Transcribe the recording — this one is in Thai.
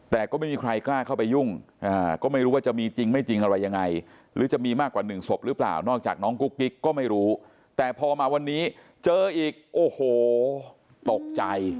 แต่ก็ไม่มีใครกล้าเข้าไปยุ่งก็ไม่รู้ว่าจะมีจริงไม่จริงอะไรยังไงหรือจะมีมากกว่าหนึ่งศพหรือเปล่านอกจากน้องกุ๊กกิ๊กก็ไม่รู้แต่พอมาวันนี้เจออีกโอ้โหตกใจ